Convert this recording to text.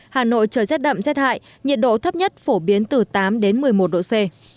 hà nội trời rét đậm rét hại nhiệt độ thấp nhất phổ biến từ tám đến một mươi một độ c